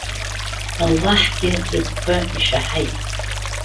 Аллаҳгьы рыгәқәа ишәаҳаит.